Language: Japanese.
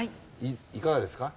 いかがですか？